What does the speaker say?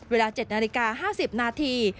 เวลา๗นาฬิกา๕๐นาที